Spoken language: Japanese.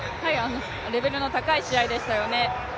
レベルの高い試合でしたよね。